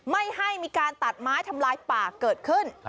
ไม่ให้มีการตัดไม้ทำลายป่าเกิดขึ้น